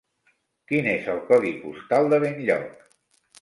Quin és el codi postal de Benlloc?